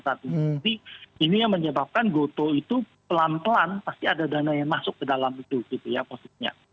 jadi ini yang menyebabkan gotoh itu pelan pelan pasti ada dana yang masuk ke dalam itu gitu ya posisinya